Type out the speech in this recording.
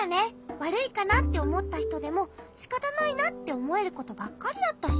わるいかなっておもったひとでもしかたないなっておもえることばっかりだったし。